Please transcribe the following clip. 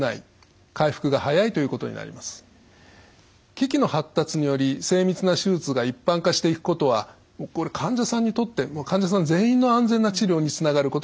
機器の発達により精密な手術が一般化していくことは患者さんにとって患者さん全員の安全な治療につながることと思います。